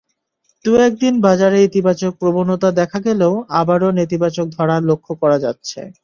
দু-একদিন বাজারে ইতিবাচক প্রবণতা দেখা গেলেও আবারও নেতিবাচক ধারা লক্ষ করা যাচ্ছে।